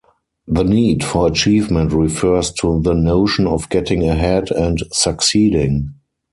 The Need for Achievement refers to the notion of getting ahead and succeeding.